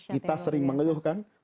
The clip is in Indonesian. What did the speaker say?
kita sering mengeluhkan